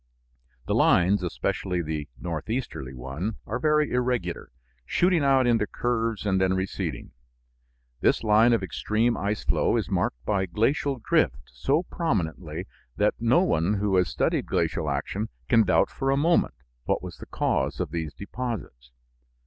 The lines, especially the northeasterly one, are very irregular, shooting out into curves and then receding. This line of extreme ice flow is marked by glacial drift so prominently that no one who has studied glacial action can doubt for a moment what was the cause of these deposits.